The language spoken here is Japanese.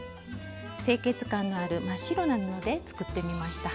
清潔感のある真っ白な布で作ってみました。